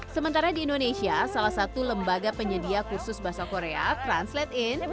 sementara di indonesia salah satu lembaga penyedia kursus bahasa korea translate in